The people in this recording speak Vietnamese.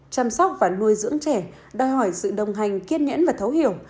chăm sóc và nuôi dưỡng trẻ đòi hỏi sự đồng hành kiên nhẫn và thấu hiểu